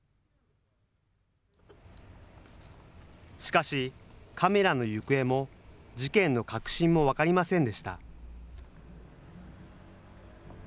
しかし、カメラの行方も、事件の核心も分かりませんでした。